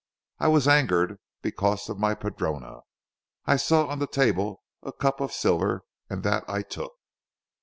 I was angered, because of my padrona. I saw on the table a cup of silver, and that I took."